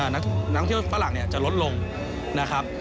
นักท่องเที่ยวฝรั่งจะลดลงนะครับ